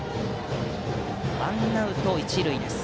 ワンアウト、一塁です。